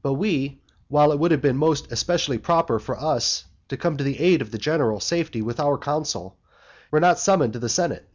But we, while it would have been most especially proper for us to come to the aid of the general safety with our counsel, were not summoned to the senate.